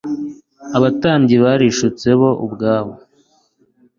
Abatambyi barishutse bo ubwabo.